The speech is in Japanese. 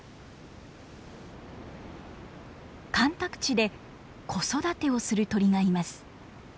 干拓地で子育てをする鳥がいます。